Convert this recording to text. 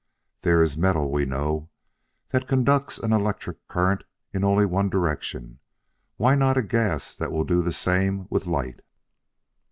There is metal, we know, that conducts an electric current in only one direction: why not a gas that will do the same with light?"